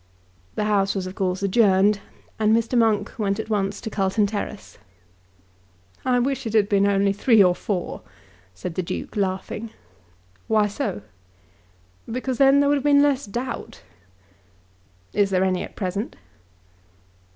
The House was of course adjourned, and Mr. Monk went at once to Carlton Terrace. "I wish it had only been three or four," said the Duke, laughing. "Why so?" "Because there would have been less doubt." "Is there any at present?"